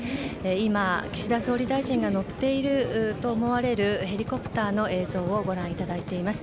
今、岸田総理大臣が乗っていると思われるヘリコプターの映像をご覧いただいています。